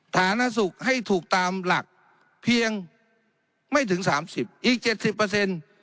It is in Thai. ฐานสุขให้ถูกตามหลักเพียงไม่ถึงสามสิบอีกเจ็ดสิบเปอร์เซ็นต์